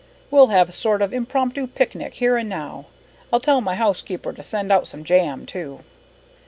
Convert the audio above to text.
We'll have a sort of impromptu picnic here and now, I'll tell my housekeeper to send out some jam too."